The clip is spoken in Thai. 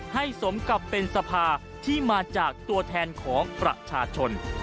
สมกับเป็นสภาที่มาจากตัวแทนของประชาชน